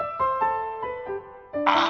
あ！